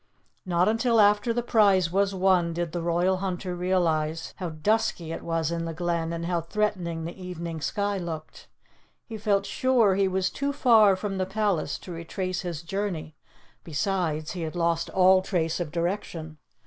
Not until after the prize was won did the royal hunter realize how dusky it was in the glen, and how threatening the evening sky looked. He felt sure he was too far from the palace to retrace his journey; besides, he had lost all trace of direction.